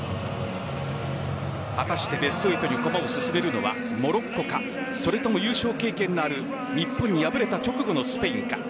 果たしてベスト８に駒を進めるのかモロッコかそれとも優勝経験のある日本に敗れた直後のスペインか。